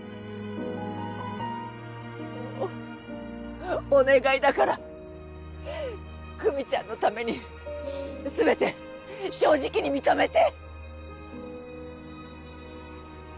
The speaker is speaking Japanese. もうお願いだから久実ちゃんのためにううっ全て正直に認めて！